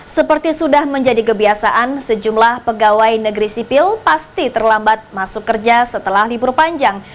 seperti sudah menjadi kebiasaan sejumlah pegawai negeri sipil pasti terlambat masuk kerja setelah libur panjang